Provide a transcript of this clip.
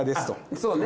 そうね。